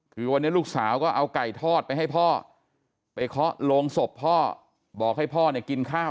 คือวันนี้ลูกสาวก็เอาไก่ทอดไปให้พ่อไปเคาะโรงศพพ่อบอกให้พ่อเนี่ยกินข้าว